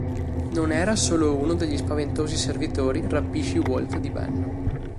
Non era solo uno degli spaventosi servitori rapisci-Walt di Ben.